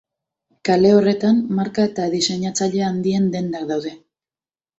Kale horretan marka eta diseinatzaile handien dendak daude.